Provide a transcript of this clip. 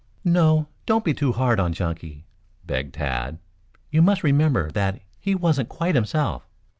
"No, don't be too hard on Chunky," begged Tad. "You must remember that he wasn't quite himself.